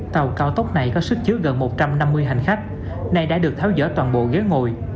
tàu cao tốc này có sức chứa gần một trăm năm mươi hành khách này đã được tháo dỡ toàn bộ ghế ngồi